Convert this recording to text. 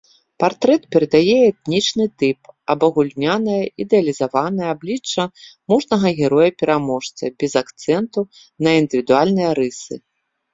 Партрэт перадае этнічны тып, абагульненае ідэалізаванае аблічча мужнага героя-пераможца, без акцэнту на індывідуальныя рысы.